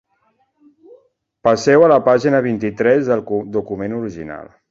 Passeu a la pàgina vint-i-tres del document original.